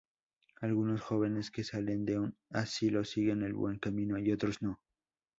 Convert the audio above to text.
Algunos jóvenes que salen de un asilo siguen el buen camino y otros no.